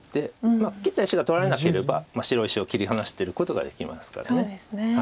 まあ切った石が取られなければ白石を切り離してることができますから。